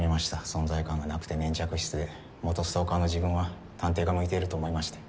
存在感がなくて粘着質で元ストーカーの自分は探偵が向いていると思いまして。